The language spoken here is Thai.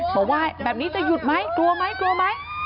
บอกว่าแบบนี้จะหยุดไหมกลัวไหม